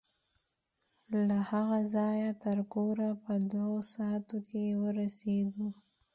له هغه ځايه تر کوره په دوو ساعتو کښې ورسېدو.